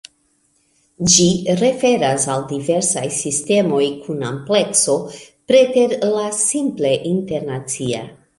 Ĝi referas al diversaj sistemoj kun amplekso preter la simple internacia.